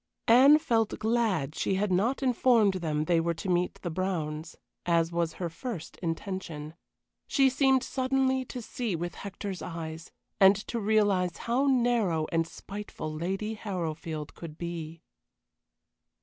Anne felt glad she had not informed them they were to meet the Browns, as was her first intention. She seemed suddenly to see with Hector's eyes, and to realize how narrow and spiteful Lady Harrowfield could be.